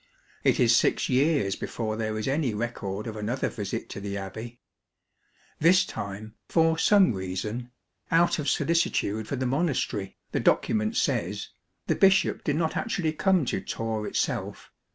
It is six years before there is any record of another visit to the abbey. This time, for some reason —" out of sollicitude for the monastery" the document says — the bishop did not actually come to Torre itself.